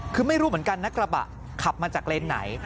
คือไม่รู้เหมือนกันนะกระบะขับมาจากเลนส์ไหน